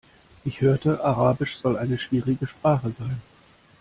Ich hörte, Arabisch soll eine schwierige Sprache sein.